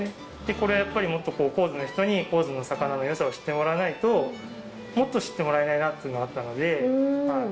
これをやっぱりもっと神津の人に神津の魚のよさを知ってもらわないともっと知ってもらえないなというのがあったので。